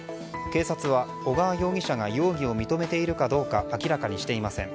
警察は小川容疑者が容疑を認めているかどうか明らかにしていません。